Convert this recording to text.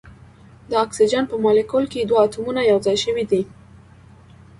د اکسیجن په مالیکول کې دوه اتومونه یو ځای شوي دي.